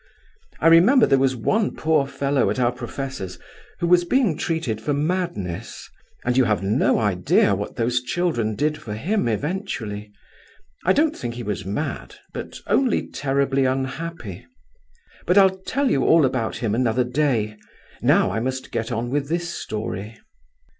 I remember there was one poor fellow at our professor's who was being treated for madness, and you have no idea what those children did for him, eventually. I don't think he was mad, but only terribly unhappy. But I'll tell you all about him another day. Now I must get on with this story.